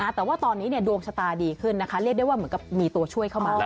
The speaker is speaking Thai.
แต่ว่าตอนนี้ดวงชะตาดีขึ้นนะคะเรียกได้ว่าเหมือนกับมีตัวช่วยเข้ามา